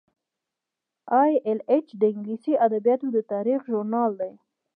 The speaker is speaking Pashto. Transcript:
ای ایل ایچ د انګلیسي ادبیاتو د تاریخ ژورنال دی.